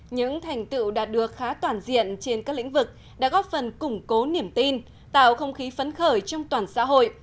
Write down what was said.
những thành tựu đạt được khá toàn diện trên các lĩnh vực đã góp phần củng cố niềm tin tạo không khí phấn khởi trong toàn xã hội